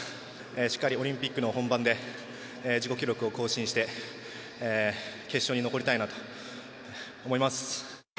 しっかりオリンピックの本番で自己記録を更新して、決勝に残りたいなと思います。